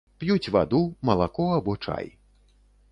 П'юць ваду, малако або чай.